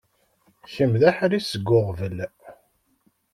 Kemm d aḥric seg uɣbel.